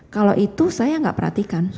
kalau itu saya nggak perhatikan